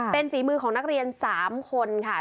เป็นฝีมือของนักเรียน๓คนค่ะ